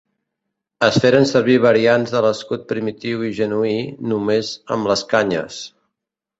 Es feren servir variants de l'escut primitiu i genuí, només amb les canyes.